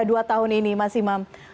dua tahun ini masih maham